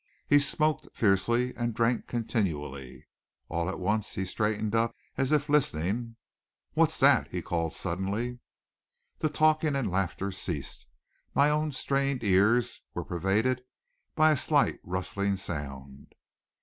He smoked fiercely and drank continually. All at once he straightened up as if listening. "What's that?" he called suddenly. The talking and laughter ceased. My own strained ears were pervaded by a slight rustling sound.